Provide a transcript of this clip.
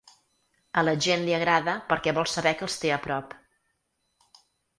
A la gent li agrada perquè vol saber que els té a prop.